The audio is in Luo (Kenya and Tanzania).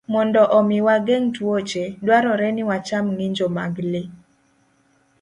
Mondo omi wageng' tuoche, dwarore ni wacham ng'injo mag le.